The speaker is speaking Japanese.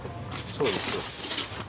そうです